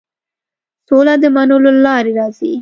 سوله د منلو له لارې راځي.